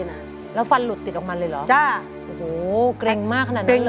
แล้วฟันหลุดติดออกมาเลยเหรอโอ้โหเกร็งมากขนาดนั้นเลย